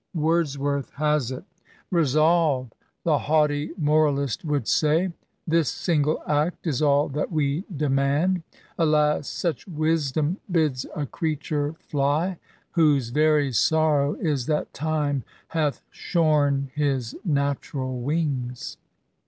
Wordsworth has it —Resolve !' the haughty moralist would say :* This single act is all that we demand.' Alas ! such wisdom bids a creature fly, Whose very sorrow is that Time hath shorn His natural wings